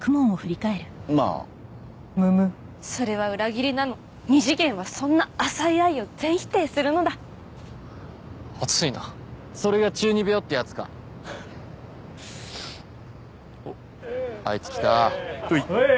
まあむむっそれは裏切りなの二次元はそんな浅い愛を全否定するのだ熱いなそれが厨二病ってやつかおっあいつ来たウエイ